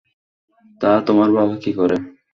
তা, তোমার বাবা কী করে?